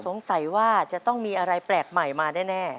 สงสัยว่าจะต้องมีอะไรแปลกใหม่มาแน่